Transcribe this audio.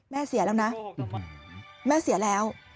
เสียแล้วนะแม่เสียแล้ว